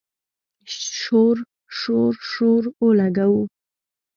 شور، شور، شور اولګوو